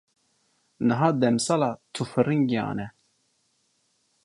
Niha demsala tûfiringiyan e.